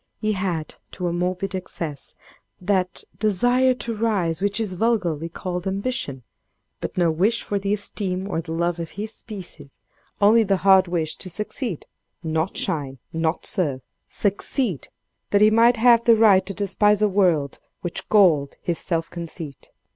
He had, to a morbid excess, that, desire to rise which is vulgarly called ambition, but no wish for the esteem or the love of his species; only the hard wish to succeed—not shine, not serve—succeed, that he might have the right to despise a world which galled his self conceit.